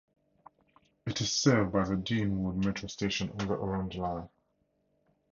It is served by the Deanwood Metro station on the Orange Line.